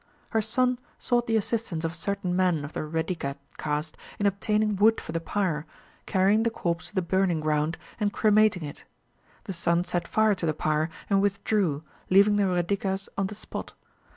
Her son sought the assistance of certain men of the "Reddika" caste in obtaining wood for the pyre, carrying the corpse to the burning ground, and cremating it. The son set fire to the pyre, and withdrew, leaving the Reddikas on the spot.